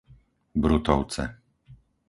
Brutovce